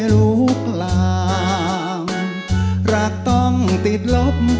ทุกลามรักต้องติดลบ